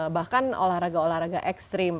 bahkan olahraga olahraga ekstrim